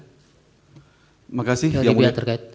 terima kasih yang mulia